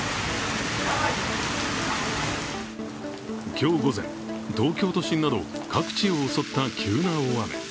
今日午前、東京都心など各地を襲った急な大雨。